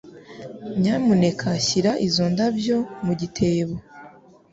Nyamuneka shyira izo ndabyo mu gitebo.